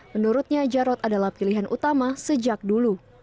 menurutnya jarod adalah pilihan utama sejak dulu